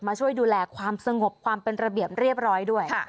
ช่วยดูแลความสงบความเป็นระเบียบเรียบร้อยด้วย